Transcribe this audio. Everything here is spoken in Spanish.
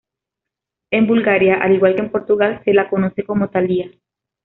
En Bulgaria, al igual que en Portugal, se la conoce como thalia.